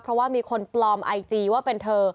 เพราะว่ามีคนปลอมไอจีว่าเป็นเธอ